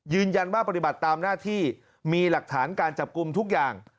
ปฏิบัติตามหน้าที่มีหลักฐานการจับกลุ่มทุกอย่าง